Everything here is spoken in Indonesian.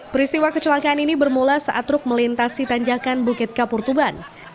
peristiwa kecelakaan ini bermula saat truk melintasi tanjakan bukit kapur tuban